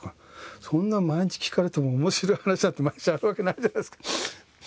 そんな毎日聞かれても面白い話なんて毎日あるわけないじゃないですか。